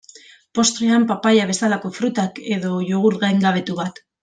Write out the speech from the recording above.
Postrean papaia bezalako frutak, edo jogurt gaingabetu bat.